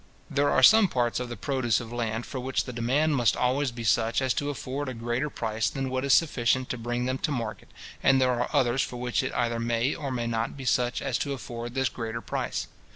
There are some parts of the produce of land, for which the demand must always be such as to afford a greater price than what is sufficient to bring them to market; and there are others for which it either may or may not be such as to afford this greater price.